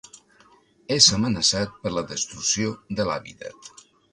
És amenaçat per la destrucció de l'hàbitat.